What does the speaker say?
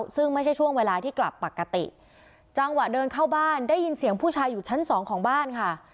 ซึ่งไม่ใช่ช่วงเวลาที่กลับปกติจังหวะเดินเข้าบ้านได้ยินเสียงผู้ชายอยู่ชั้นสองของบ้านค่ะ